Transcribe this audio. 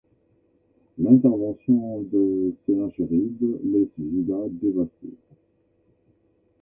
L'intervention de Sennachérib laisse Juda dévasté.